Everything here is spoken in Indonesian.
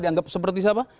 dianggap seperti siapa